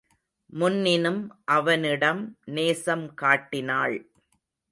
முன்னினும் அவனிடம் நேசம் காட்டி னாள்.